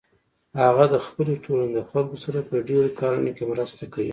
هغه د خپلې ټولنې د خلکو سره په ډیرو کارونو کې مرسته کوي